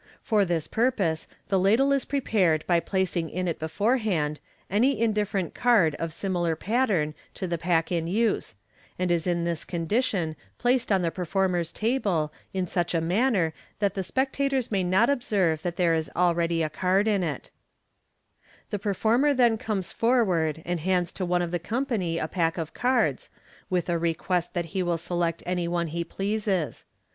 For this purpose, the ladle is prepared by placing in it beforehand any indifferent card of similar pattern to the pack in use, and is in this condition placed on the performer's table, in such manner that the spectators may not observe that there is already a card in it* The performer then comes forward and hands to one of the company a pack of cards, with a request that he will select any one he pleasi. s.